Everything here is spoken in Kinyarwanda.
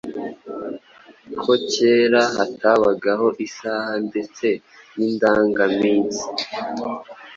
Ko kera hatabagaho isaha ndetse n’indangaminsi,